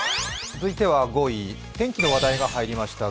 続いては５位、天気の話題が入りました。